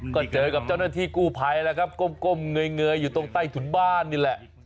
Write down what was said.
ก็เจอกับเจ้าหน้าที่กู้ภัยแล้วครับก้มเงยอยู่ตรงใต้ถุนบ้านนี่แหละ